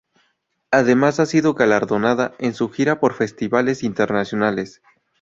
Además ha sido galardonada en su gira por festivales internacionales.